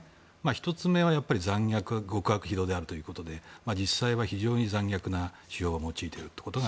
１つ目は残虐極悪非道であるということで実際は非常に残虐であるということ。